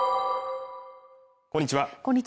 こんにちは